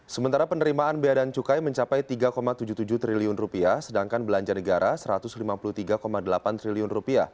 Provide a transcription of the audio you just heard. sementara penerimaan bea dan cukai mencapai rp tiga tujuh puluh tujuh triliun sedangkan belanja negara rp satu ratus lima puluh tiga delapan triliun